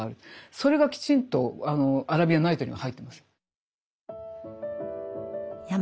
それがきちんと「アラビアン・ナイト」には入ってます。